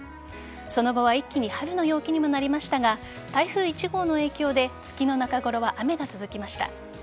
その後は一気に春の陽気にもなりましたが台風１号の影響で月の中ごろは雨が続きました。